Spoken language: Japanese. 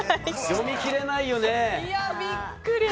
読み切れないよね。